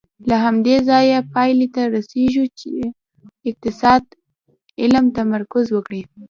له همدې ځایه پایلې ته رسېږو چې اقتصاد علم تمرکز وکړي.